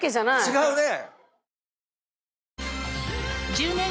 違うね！